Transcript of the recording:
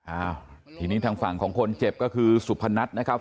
อ้าวทีนี้ทางฝั่งของคนเจ็บก็คือสุพนัทนะครับ